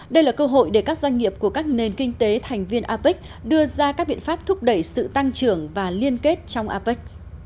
đây là cơ hội để các doanh nghiệp của các nền kinh tế thành viên apec đưa ra các biện pháp thúc đẩy sự tăng trưởng và liên kết trong apec